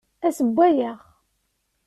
Ad sewwayeɣ.